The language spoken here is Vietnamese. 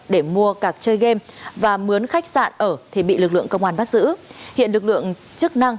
để mua cạc chơi game và muốn khách sạn ở thì bị lực lượng công an bắt giữ hiện lực lượng chức năng